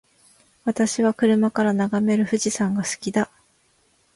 私は車から眺める富士山が好きだ。